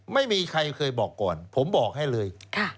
ไม่มีใครเคยบอกก่อนผมบอกให้เลย